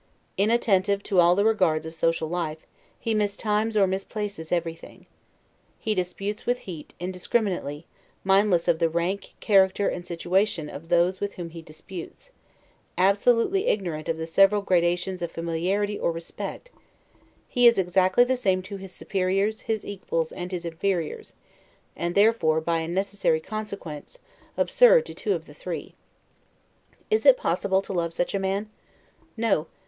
Inattentive to all the regards of social life, he mistimes or misplaces everything. He disputes with heat, and indiscriminately, mindless of the rank, character, and situation of those with whom he disputes; absolutely ignorant of the several gradations of familiarity or respect, he is exactly the same to his superiors, his equals, and his inferiors; and therefore, by a necessary consequence, absurd to two of the three. Is it possible to love such a man? No.